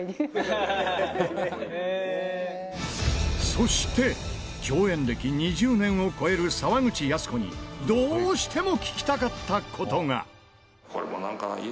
そして共演歴２０年を超える沢口靖子にどうしても聞きたかった事が。